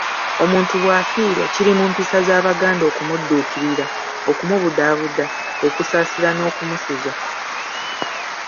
Omuntu bw'afiirwa kiri mu mpisa z'Abaganda okumudduukirira, okumubudaabuda, okusaasira n'okumusuza.